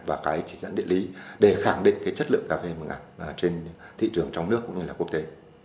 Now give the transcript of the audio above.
và cái trị dẫn địa lý để khẳng định chất lượng cà phê mường ảng trên thị trường trong nước cũng như là quốc tế